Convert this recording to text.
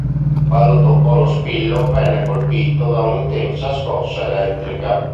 Quando toccò lo spillo, venne colpito da un'intensa scossa elettrica.